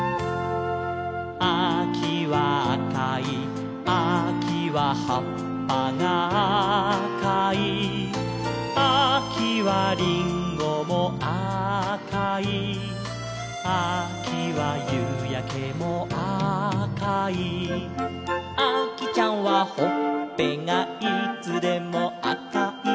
「あきはあかい」「あきははっぱがあかい」「あきはりんごもあかい」「あきはゆうやけもあかい」「あきちゃんはほっぺがいつでもあかい」